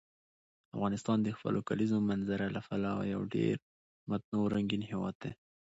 افغانستان د خپلو کلیزو منظره له پلوه یو ډېر متنوع او رنګین هېواد دی.